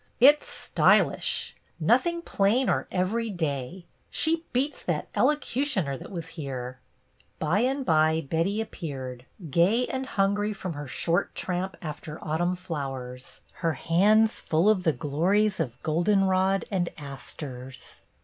Huh! It's stylish. Nothing plain or everyday. She beats that elocu tioner that was here." By and by Betty appeared, gay and hungry from her short tramp after autumn flowers, her hands full of the glories of golden rod and asters.